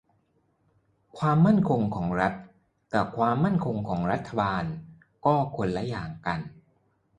ความมั่นคงของรัฐ กะ ความมั่นคงของรัฐบาล ก็คนละอย่าง